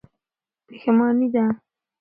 پښېماني ده.